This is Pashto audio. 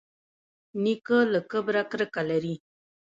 نیکه له کبره کرکه لري.